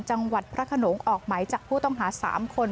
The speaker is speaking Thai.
จังหวัดพระขนงออกหมายจับผู้ต้องหา๓คน